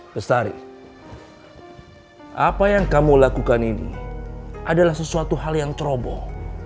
bestari apa yang kamu lakukan ini adalah sesuatu hal yang ceroboh